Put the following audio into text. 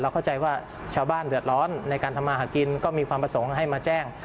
เข้าใจว่าชาวบ้านเดือดร้อนในการทำมาหากินก็มีความประสงค์ให้มาแจ้ง